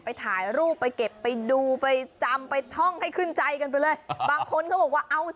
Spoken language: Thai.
ถ่ายรูปไปเก็บไปดูไปจำไปท่องให้ขึ้นใจกันไปเลยบางคนเขาบอกว่าเอา